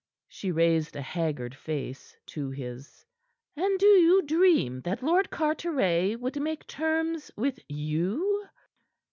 She raised a haggard face to his. "And do you dream that Lord Carteret would make terms with you?"